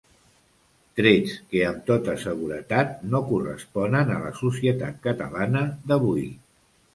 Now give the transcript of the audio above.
Trets que amb tota seguretat no corresponen a la societat catalana d'avui.